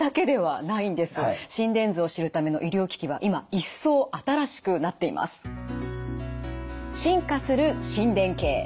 心電図を知るための医療機器は今一層新しくなっています。